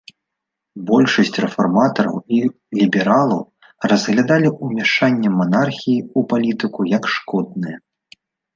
Большасць рэфарматараў і лібералаў разглядалі ўмяшанне манархіі ў палітыку як шкоднае.